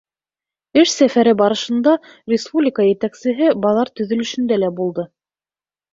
Эш сәфәре барышында республика етәксеһе баҙар төҙөлөшөндә лә булды.